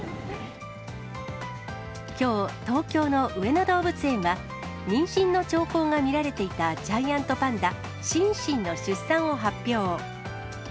きょう、東京の上野動物園は、妊娠の兆候が見られていたジャイアントパンダ、シンシンの出産を発表。